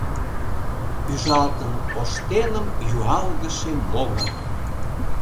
Пӱжалтын ош телым юалгыше могыр —